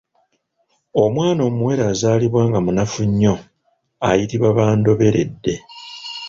Omwana omuwere azaalibwa nga munafu nnyo ayitibwa bandoberedde.